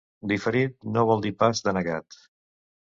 Diferit no vol dir pas denegat